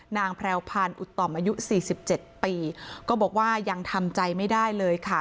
นางแพรวพันธ์อุตอมอายุ๔๗ปีก็บอกว่ายังทำใจไม่ได้เลยค่ะ